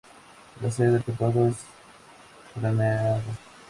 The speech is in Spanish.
La sede del condado es Grenada.